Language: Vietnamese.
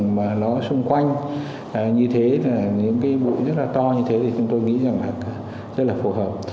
mà nó xung quanh như thế là những cái bụi rất là to như thế thì chúng tôi nghĩ rằng là rất là phù hợp